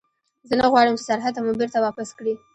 زه نه غواړم چې سرحد ته مو بېرته واپس کړي.